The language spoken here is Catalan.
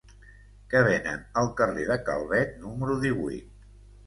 Què venen al carrer de Calvet número divuit?